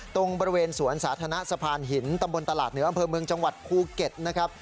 ตรงบริเวณสวนสาธารณะสะพานหินตำบลตลาดเหนืออำเภอเมืองจังหวัดภูเก็ตนะครับ